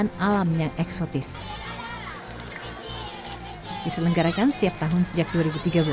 kalau takut di passengers' car dengan indonesia mudah jadi pairs yang mudah dengan pipi